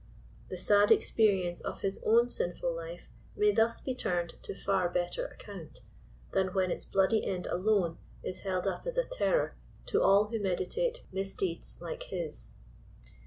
The sad experience of his own sinful life may thus be turned to far better account, than when its bloody end alone is held up as a terror to all who meditate miscfeeds like his.